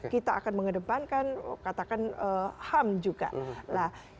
kita akan mengedepankan katakan ham juga